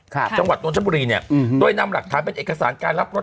จังหวัดนทบุรีเนี้ยอืมโดยนำหลักฐานเป็นเอกสารการรับรถ